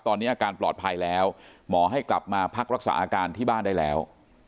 ตอนนี้อาการปลอดภัยแล้วหมอให้กลับมาพักรักษาอาการที่บ้านได้แล้ว